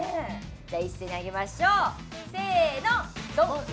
じゃあ一斉に上げましょうせーのドン！